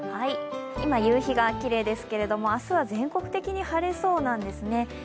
今、夕日がきれいですけれども、明日は全国的に晴れそうなんですね。